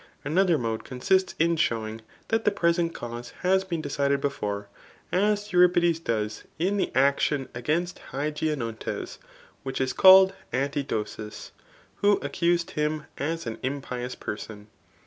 Another mode consists in showing that the present cause has been decided before ; as Euripides does in the action against Hygiajnontes, which is called ofitidosiSf who accused him as an impious person.